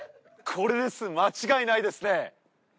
これです間違いないですね。